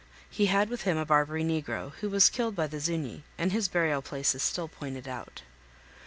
He had with him a Barbary negro, who was killed by the Zuñi, and his burial place is still pointed out.